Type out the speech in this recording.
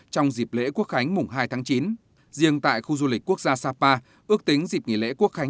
trong dịp lễ quốc khánh mùng hai tháng chín riêng tại khu du lịch quốc gia sapa ước tính dịp nghỉ lễ quốc khánh